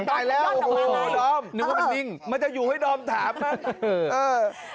มันตายแล้วโอ้โหนิ่งว่ามันนิ่งมันจะอยู่ให้นอมถามเออ